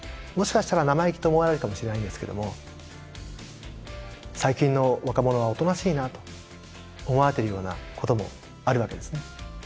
もしかしたら生意気と思われるかもしれないんですけども最近の若者はおとなしいなと思われてるようなこともあるわけですね。